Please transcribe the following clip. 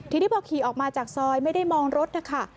ทีนี้พอขี่ออกมาจากซอยไม่ได้มองรถนะคะ